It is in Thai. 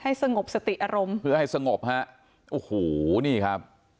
สงบสติอารมณ์เพื่อให้สงบฮะโอ้โหนี่ครับ